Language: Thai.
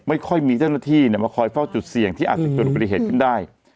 ไม่ค่อยมีเจ้าหน้าที่มาคอยเฝ้าจุดเสี่ยงที่อาจจะเกิดอุบัติเหตุขึ้นได้